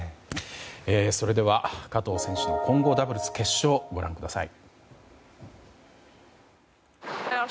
それでは加藤選手の混合ダブルス決勝ご覧ください。